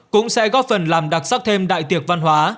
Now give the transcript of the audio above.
cũng sẽ góp phần làm đặc sắc thêm đại tiệc văn hóa